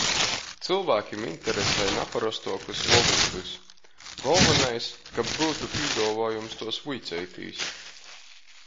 Cylvākim interesej naparostuokys volūdys, golvonais, kab byutu pīduovuojums tuos vuiceitīs.